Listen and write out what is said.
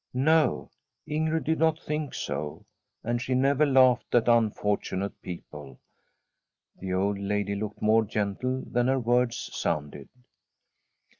No; Ingrid did not think so, and she never lauehed at unfortunate people. The old lady looked more gentle than her words sounded.